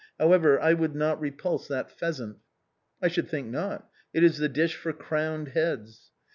However, I would not repulse that pheasant." " I should think not ; it is the dish for crowned heads."